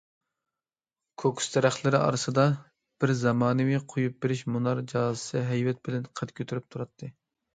كوكۇس دەرەخلىرى ئارىسىدا، بىر زامانىۋى قويۇپ بېرىش مۇنار جازىسى ھەيۋەت بىلەن قەد كۆتۈرۈپ تۇراتتى.